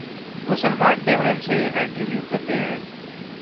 وہ سلمان ڈیمرل سے انٹرویو کرتے ہیں۔